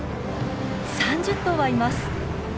３０頭はいます。